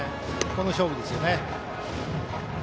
この勝負ですよね。